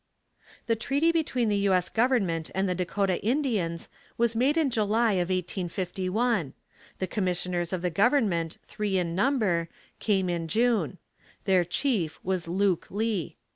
The treaty between the U. S. government and the Dakota Indians was made in July of 1851. The commissioners of the government three in number, came in June. Their chief was Luke Lee.